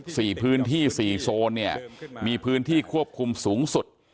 สี่พื้นที่สี่โซนเนี่ยมีพื้นที่ควบคุมสูงสุด